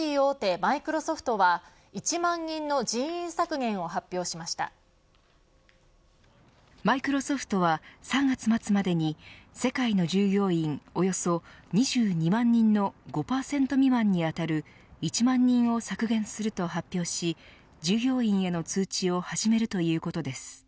マイクロソフトは３月末までに世界の従業員およそ２２万人の５％未満に当たる１万人を削減すると発表し従業員の通知を始めるということです。